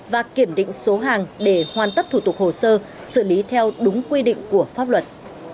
và kiểm định số hàng để hoàn tất thủ tục hồ sơ xử lý theo đúng quy định của pháp luật